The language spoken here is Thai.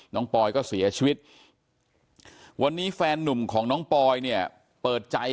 ปอยก็เสียชีวิตวันนี้แฟนนุ่มของน้องปอยเนี่ยเปิดใจ